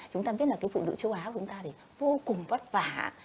chúng ta biết là cái phụ nữ châu á của chúng ta thì vô cùng vất vả